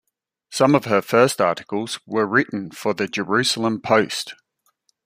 Some of her first articles were written for the "Jerusalem Post".